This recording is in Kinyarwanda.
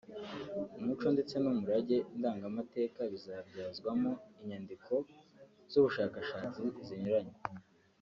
umuco ndetse n’umurage ndangamateka bizabyazwamo inyandiko z’ubushakashatsi zinyuranye